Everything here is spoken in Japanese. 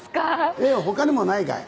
絵他にもないかい？